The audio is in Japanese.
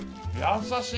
優しい！